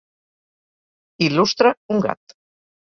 Il·lustra un gat.